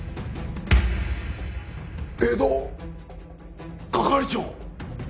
江戸係長！？